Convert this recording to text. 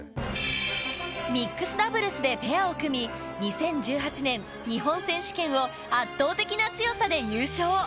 ミックスダブルスでペアを組み２０１８年日本選手権を圧倒的な強さで優勝